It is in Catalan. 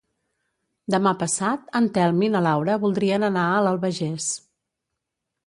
Demà passat en Telm i na Laura voldrien anar a l'Albagés.